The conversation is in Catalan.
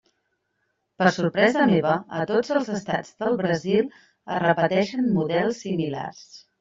Per sorpresa meva, a tots els estats del Brasil es repeteixen models similars.